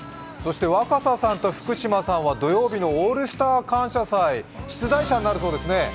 若狭さんと福島さんは土曜日の「オールスター感謝祭」、出題者になるそうですね。